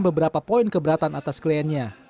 beberapa poin keberatan atas kliennya